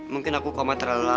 mungkin aku koma terlalu lama fah